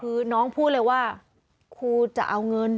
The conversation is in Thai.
คือน้องพูดเลยว่าครูจะเอาเงิน